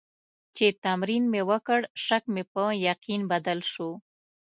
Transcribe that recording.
چې تمرین مې وکړ، شک مې په یقین بدل شو.